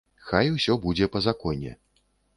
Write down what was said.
Хай усё будзе па законе.